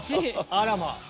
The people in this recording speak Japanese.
あらま！